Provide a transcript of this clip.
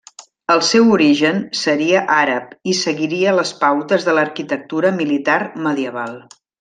El seu origen seria àrab i seguiria les pautes de l'arquitectura militar medieval.